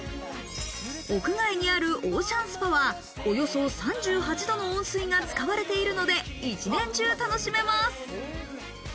屋外にあるオーシャンスパは、およそ３８度の温水が使われているので一年中楽しめます。